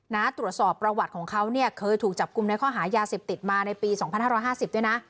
น่าตรวจสอบประวัติของเขาเนี่ยเคยถูกจับกลุ่มในข้อหายาศิลป์ติดมาในปีสองพันห้าร้อยห้าสิบด้วยนะ